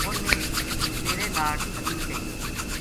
اُنھ نے تیرے ناڑ ٹھگی کئی ہے